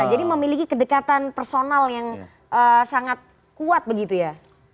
jadi memiliki kedekatan personal yang sangat kuat begitu ya